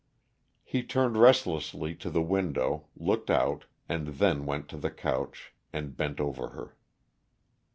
He turned restlessly to the window, looked; out, and then went to the couch and bent over her.